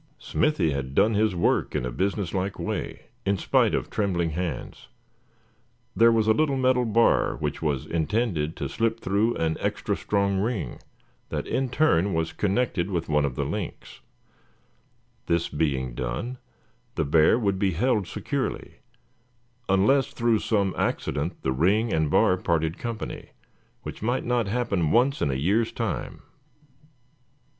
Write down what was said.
Smithy had done his work in a business like way, in spite of trembling hands. There was a little metal bar which was intended to slip through an extra strong ring, that in turn was connected with one of the links. This being done the bear would be held securely, unless through some accident the ring and bar parted company, which might not happen once in a year's time.